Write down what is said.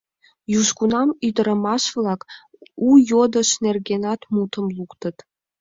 Южгунам ӱдырамаш-влак у йодыш нергенат мутым луктыт.